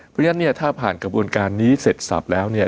เพราะฉะนั้นการพาลกระบวนการนี้เสร็จสับแล้วเนี่ย